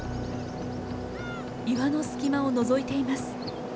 岩の隙間をのぞいています。